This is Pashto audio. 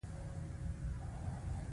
احمد له علي څخه سر وپېچه.